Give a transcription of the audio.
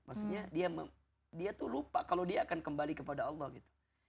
maksudnya dia tuh lupa kalau dia akan kembali kepada allah gitu